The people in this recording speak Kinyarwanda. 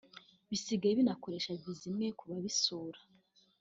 bisigaye binakoresha Viza imwe ku babisura